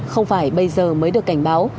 không phải bây giờ mới được cảnh báo